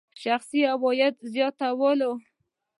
شخصي عوایدو زیاتوالی.